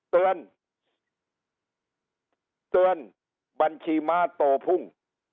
เตือนเตือนบัญชีม้าโตพุ่ง